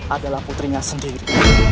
adalah putrinya sendiri